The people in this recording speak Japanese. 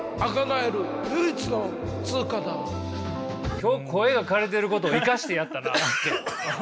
今日声がかれてることを生かしてやったな。